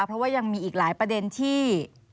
เพราะว่ายังมีอีกหลายประเด็นที่